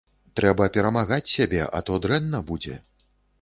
Трэба перамагаць сябе, а то дрэнна будзе.